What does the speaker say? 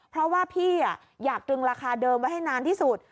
เพราะว่าพี่อยากตึงราคาเดิมไว้ให้นานที่สุด